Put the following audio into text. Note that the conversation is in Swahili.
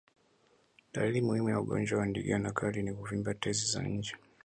Dalili muhimu ya ugonjwa wa ndigana kali ni kuvimba tezi za nje